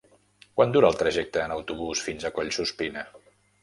Quant dura el trajecte en autobús fins a Collsuspina?